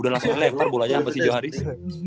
udah langsung lepar bolanya sama si joe harris